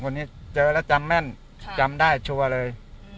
สดร้อนเลยครับผมตายตอนนั้นเลย